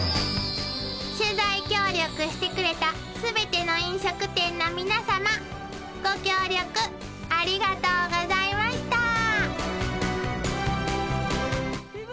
［取材協力してくれた全ての飲食店の皆さまご協力ありがとうございました］